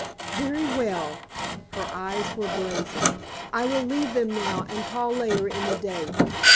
"Very well." Her eyes were blazing. "I will leave them now and call later in the day.